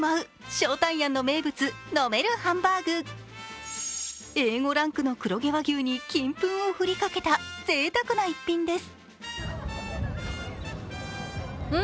将泰庵の名物飲めるハンバーグＡ５ランクの黒毛和牛に金粉を振りかけたぜいたくな逸品です。